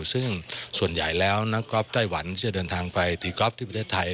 ซึ่งส่วนใหญ่แล้วนักกอล์ฟไต้หวันที่จะเดินทางไปตีกอล์ฟที่ประเทศไทย